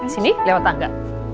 sini lewat tangga